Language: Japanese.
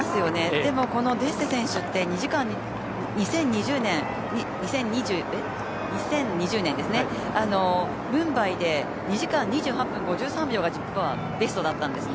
でも、このデッセ選手って２０２０年ですねムンバイで２時間２３分５８秒が実はベストだったんですね。